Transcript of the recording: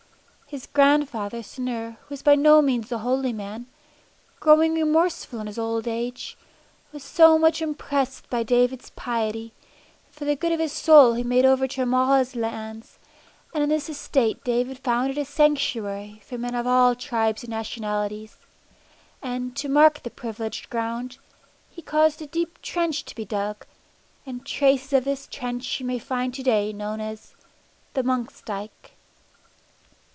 His grandfather Cynyr, who was by no means a holy man, growing remorseful in his old age, was so much impressed by David's piety, that for the good of his soul he made over to him all his lands, and on this estate David founded a sanctuary for men of all tribes and nationalities, and, to mark the privileged ground, he caused a deep trench to be dug, and traces of this trench you may find to day known as "The Monk's Dyke."